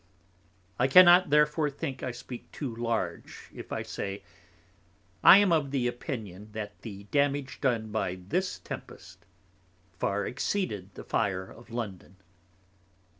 I cannot therefore think I speak too large, if I say, I am of the Opinion, that the Damage done by this Tempest far exceeded the Fire of London.